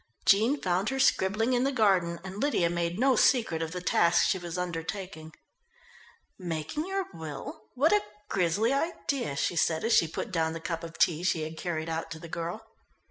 Jean found her scribbling in the garden and Lydia made no secret of the task she was undertaking. "Making your will? What a grisly idea?" she said as she put down the cup of tea she had carried out to the girl.